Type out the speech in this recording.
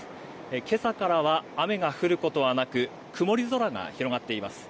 今朝からは雨が降ることはなく曇り空が広がっています。